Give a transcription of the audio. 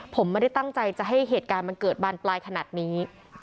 ผมไม่ได้ตั้งใจจะให้เหตุการณ์มันเกิดบานปลายขนาดนี้